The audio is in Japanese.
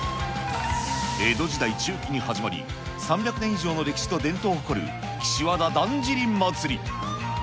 江戸時代中期に始まり、３００年以上の歴史と伝統を誇る、岸和田だんじり祭。